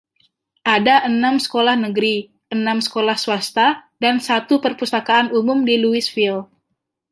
Ada enam sekolah negeri, enam sekolah swasta, dan satu Perpustakaan Umum di Louisville.